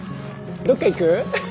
どっか行く？